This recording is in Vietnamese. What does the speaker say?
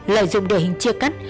lợi dụng địa hình chia cắt